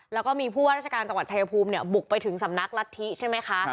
แล้วก็มีผู้ว่าราชการจังหวัดชายภูมิบุกไปถึงสำนักรัฐธิใช่ไหมคะ